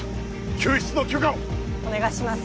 救出の許可をお願いします